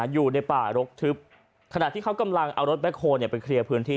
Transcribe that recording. อยู่ในป่ารกทึบขณะที่เขากำลังเอารถแบ็คโฮลไปเคลียร์พื้นที่